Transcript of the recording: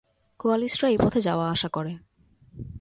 কোয়ালিস্টরা এই পথে যাওয়াআসা করে।